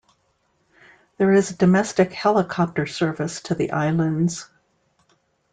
There is domestic helicopter service to the islands.